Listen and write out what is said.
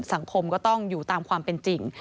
สังคมก็ต้องอยู่ตามความเป็นจริง